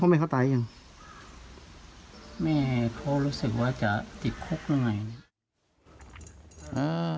แม่เขาตายยังแม่เขารู้สึกว่าจะติดคุกหน่อย